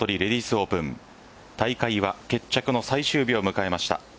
オープン大会は決着の最終日を迎えました。